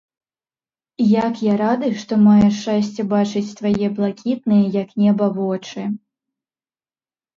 Як я рады, што маю шчасце бачыць твае блакітныя, як неба, вочы!